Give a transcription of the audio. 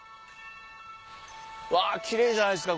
うわキレイじゃないですか